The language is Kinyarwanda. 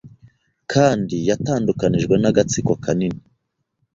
Kandi yatandukanijwe n'agatsiko kanini